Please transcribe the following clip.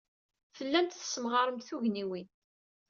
Tellamt tessemɣaremt tugniwin.